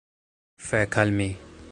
Fek' al mi